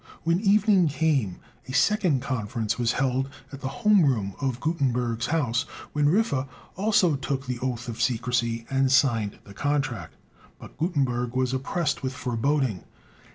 When evening came, a second conference was held at the home room of Gutenberg's house, when Riffe also took the oath of secrecy, and signed the contract. But Gutenberg was oppressed with foreboding.